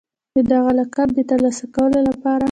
د دغه لقب د ترلاسه کولو لپاره